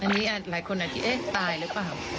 มีหลายคนอ่ะเดี้ยตายหรือเปล่า